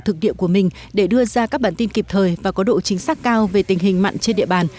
thực địa của mình để đưa ra các bản tin kịp thời và có độ chính xác cao về tình hình mặn trên địa bàn